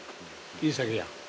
いい酒や。